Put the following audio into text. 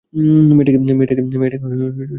মেয়েটাকে চাস কি না?